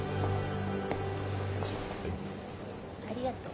ありがとう。